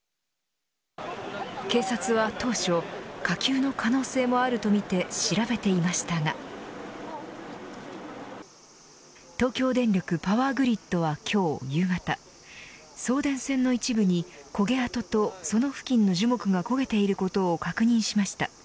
警察は当初火球の可能性もあるとみて調べていましたが東京電力パワーグリッドは今日夕方送電線の一部に焦げ跡とその付近の樹木が焦げていることを確認しました。